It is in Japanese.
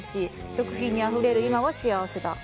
食品にあふれる今は幸せだ」。